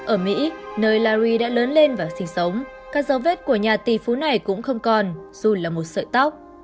ở mỹ nơi lauri đã lớn lên và sinh sống các dấu vết của nhà tỷ phú này cũng không còn dù là một sợi tóc